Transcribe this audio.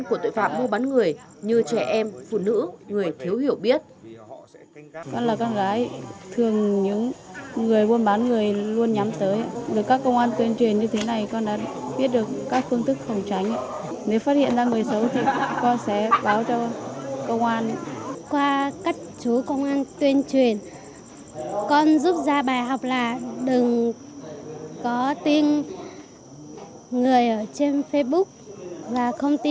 của tội phạm mua bán người như trẻ em phụ nữ người thiếu hiểu biết